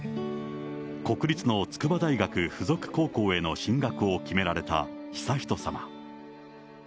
国立の筑波大学附属高校への進学を決められた悠仁さま。